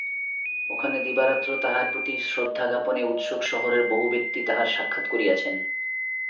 ওখানে দিবারাত্র তাঁহার প্রতি শ্রদ্ধাজ্ঞাপনে উৎসুক শহরের বহু ব্যক্তি তাঁহার সাক্ষাৎ করিয়াছেন।